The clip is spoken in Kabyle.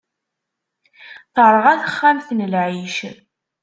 Terɣa texxamt n lɛic.